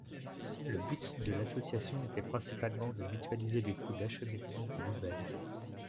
Le but de l'association était principalement de mutualiser les coûts d'acheminement des nouvelles.